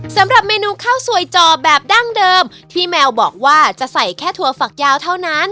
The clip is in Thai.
สำหรับเมนูข้าวสวยจอแบบดั้งเดิมที่แมวบอกว่าจะใส่แค่ถั่วฝักยาวเท่านั้น